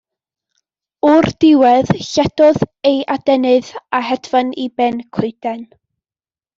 O'r diwedd lledodd ei adenydd a hedfan i ben coeden.